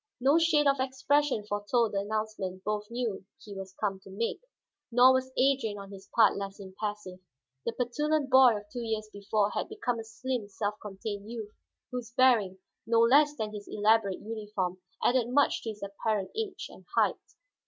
No shade of expression foretold the announcement both knew he was come to make, nor was Adrian on his part less impassive. The petulant boy of two years before had become a slim, self contained youth, whose bearing, no less than his elaborate uniform, added much to his apparent age and height.